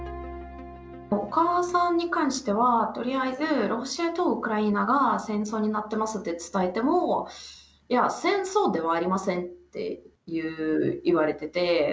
お母さんに関しては、とりあえずロシアとウクライナが戦争になってますって伝えても、いや、戦争ではありませんって言われてて。